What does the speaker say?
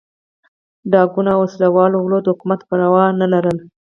ډاکوانو او وسله والو غلو د حکومت پروا نه لرله.